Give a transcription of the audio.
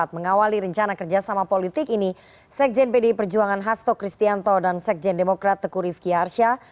mengawali rencana kerjasama politik ini sekjen pdi perjuangan hasto kristianto dan sekjen demokrat teku rifki arsya